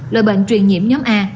lợi bệnh truyền nhiễm nhóm a